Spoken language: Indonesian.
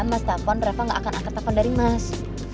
mas telepon reva gak akan angkat telepon dari mas